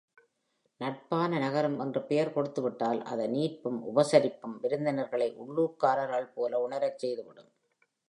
``நட்பான நகரம்’’ என்று பெயர் கொடுத்துவிட்டால், அதன் ஈர்ப்பும் உபசரிப்பும் விருந்தினர்களை உள்ளூர்க்காரர்கள் போல உணரச் செய்துவிடும்.